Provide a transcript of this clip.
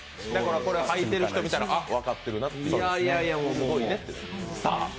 履いてる人見たら分かってるなと。